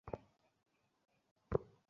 আমাদেরকে জলদি যেতে হবে, বুঝেছো?